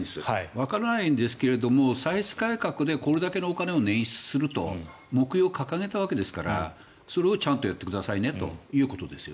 わからないんですけれども歳出改革でこれだけのお金を捻出すると目標を掲げたわけですからそれをちゃんとやってくださいということです。